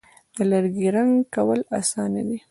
د لرګي رنګ کول آسانه دي.